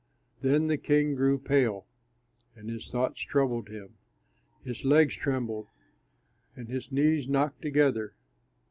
Then the king grew pale, and his thoughts troubled him, his legs trembled and his knees knocked together.